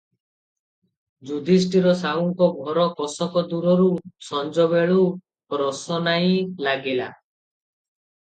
ଯୁଧିଷ୍ଠିର ସାହୁଙ୍କ ଘର କୋଶକ ଦୂରରୁ ସଞବେଳୁ ରୋଷନାଈ ଲାଗିଲା ।